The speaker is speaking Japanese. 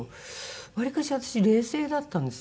割かし私冷静だったんです。